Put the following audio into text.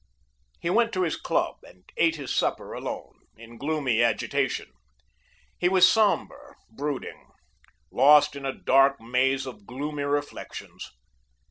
He went to his club and ate his supper alone, in gloomy agitation. He was sombre, brooding, lost in a dark maze of gloomy reflections.